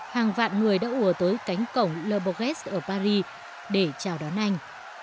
hàng vạn người đã ùa tới cánh cổng le bourget ở paris để chào đón anh